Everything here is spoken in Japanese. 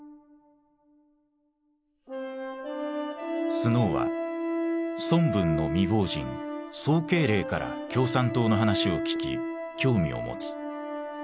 スノーは孫文の未亡人・宋慶齢から共産党の話を聞き興味を持つ。